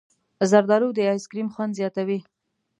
زردالو د ایسکریم خوند زیاتوي.